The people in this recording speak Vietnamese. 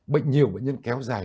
bệnh nhiều bệnh nhân kéo dài